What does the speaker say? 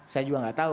saya juga nggak tahu